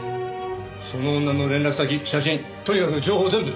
その女の連絡先写真とにかく情報を全部。